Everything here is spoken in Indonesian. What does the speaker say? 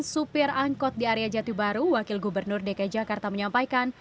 supir angkot di area jati baru wakil gubernur dki jakarta menyampaikan